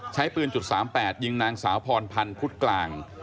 ใช้ปืน๓๘ยิงนางสาวพรพันธ์พุทธกลาง